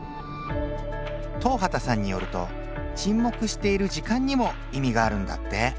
東畑さんによると沈黙している時間にも意味があるんだって。